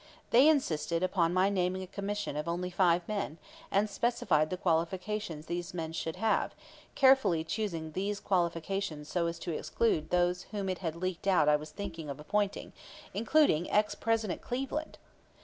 They insisted upon my naming a Commission of only five men, and specified the qualifications these men should have, carefully choosing these qualifications so as to exclude those whom it had leaked out I was thinking of appointing, including ex President Cleveland.